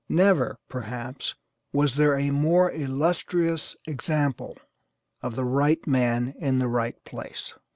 Never, perhaps, was there a more illustrious example of the right man in the right place.